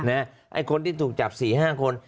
ไอ้คนที่ถูกจับ๔๕คน